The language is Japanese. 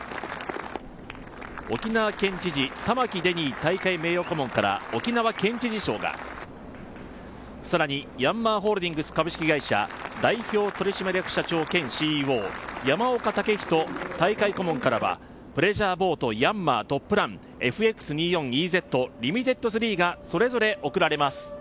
沖縄県知事、玉城デニー大会名誉顧問から沖縄県知事賞が更に、ヤンマーホールディングス株式会社代表取締役社長兼ＣＥＯ山岡健人大会顧問からはプレジャーボート・ヤンマートップランＦＸ２４ＥＺ．ＬＴＤⅢがそれぞれ贈られます。